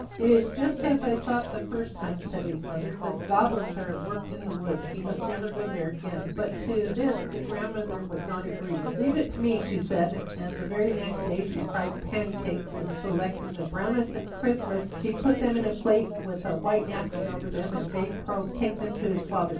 "It is just as I thought the first time," said his mother. "The goblins are at work in the wood. He must never go there again." But to this the grandmother would not agree. "Leave it to me," she said, and the very next day she fried pancakes, and selecting the brownest and crispest she put them in a plate with a white napkin over them and bade Karl take them to his father.